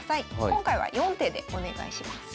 今回は４手でお願いします。